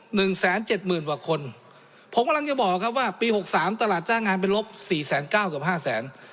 หนึ่งแสนเจ็ดหมื่นกว่าคนผมกำลังจะบอกครับว่าปีหกสามตลาดจ้างงานไปลบสี่แสนเก้าเกือบห้าแสน